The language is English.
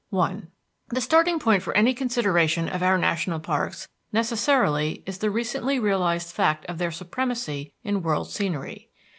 I The starting point for any consideration of our national parks necessarily is the recently realized fact of their supremacy in world scenery.